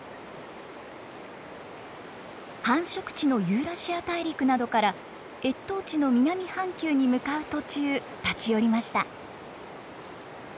繁殖地のユーラシア大陸などから越冬地の南半球に向かう途中立ち寄りました。